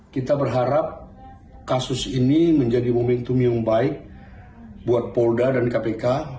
kita berharap kasus ini menjadi momentum yang baik buat polda dan kpk